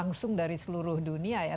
langsung dari seluruh dunia ya